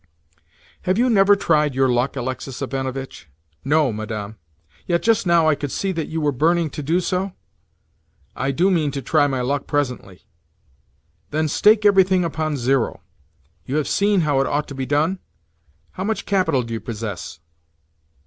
"Have you never tried your luck, Alexis Ivanovitch?" "No, Madame." "Yet just now I could see that you were burning to do so?" "I do mean to try my luck presently." "Then stake everything upon zero. You have seen how it ought to be done? How much capital do you possess?"